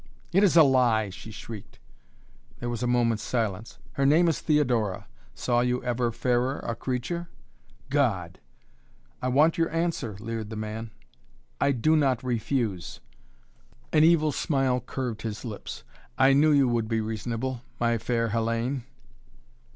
"It is a lie!" she shrieked. There was a moment's silence. "Her name is Theodora. Saw you ever fairer creature?" "God!" "I want your answer!" leered the man. "I do not refuse!" An evil smile curved his lips. "I knew you would be reasonable my fair Hellayne!"